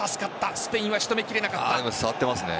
スペインは仕留めきれなかった。